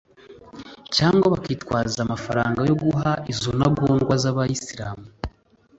cyangwa bakitwaza amafaranga yo guha izo ntagondwa z’Abasilamu